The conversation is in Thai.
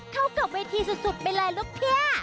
เข้ากับเวทีสุดไปเลยลูกเนี่ย